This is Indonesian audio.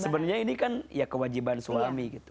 sebenarnya ini kan kewajiban suami